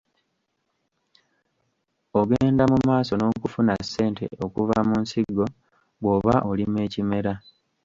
Ogenda mu maaso n’okufuna ssente okuva mu nsigo bw’oba olima ekimera.